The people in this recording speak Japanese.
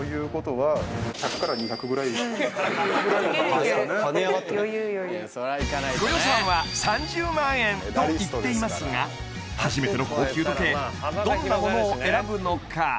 なるほどご予算は３０万円と言っていますが初めての高級時計どんなものを選ぶのか？